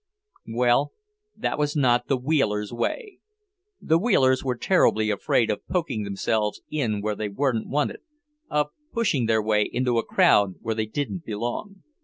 Well, that was not "the Wheelers' way." The Wheelers were terribly afraid of poking themselves in where they weren't wanted, of pushing their way into a crowd where they didn't belong.